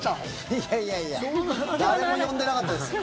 いやいやいや誰も呼んでなかったですよ。